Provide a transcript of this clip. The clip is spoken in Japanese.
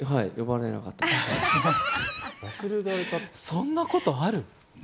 そんなことある？